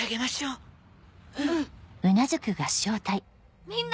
うん。